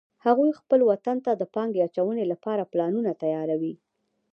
هغوی خپل وطن ته د پانګې اچونې لپاره پلانونه تیار وی